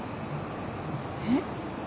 えっ？